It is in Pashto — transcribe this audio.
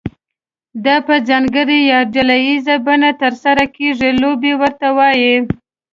دا په ځانګړې یا ډله ییزه بڼه ترسره کیږي لوبې ورته وایي.